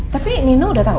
tapi nino udah tau